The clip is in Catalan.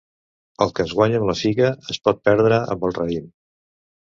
El que es guanya amb la figa, es pot perdre amb el raïm.